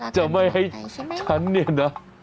จะไม่ให้ฉันเนี่ยนะ